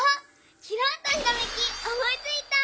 きらんとひらめきおもいついた！